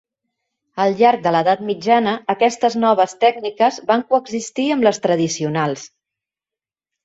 Al llarg de l'edat mitjana aquestes noves tècniques van coexistir amb les tradicionals.